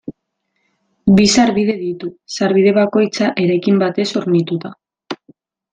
Bi sarbide ditu, sarbide bakoitza eraikin batez hornituta.